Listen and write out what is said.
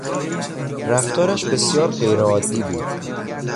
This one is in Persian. رفتارش بسیار غیر عادی بود.